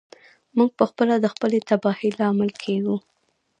موږ پخپله د خپلې تباهۍ لامل کیږو.